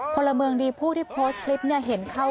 พลเมืองดีผู้ที่โพสต์คลิปเนี่ยเห็นเขา